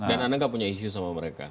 dan anda nggak punya isu sama mereka